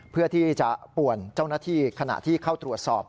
เพื่อที่จะป่วนเจ้าหน้าที่ขณะที่เข้าตรวจสอบ